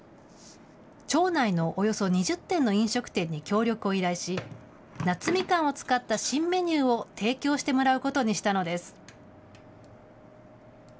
町内のおよそ２０店の飲食店に協力を依頼し、夏みかんを使った新メニューを提供してもらうことにしたのです。